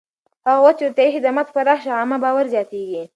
هغه وخت چې روغتیایي خدمات پراخ شي، عامه باور زیاتېږي.